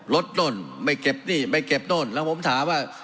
โน่นไม่เก็บหนี้ไม่เก็บโน่นแล้วผมถามว่า